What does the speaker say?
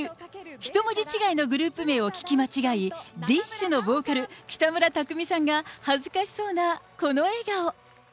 一文字違いのグループ名を聞き間違い、ディッシュのボーカル、北村匠海さんが恥ずかしそうなこの笑顔。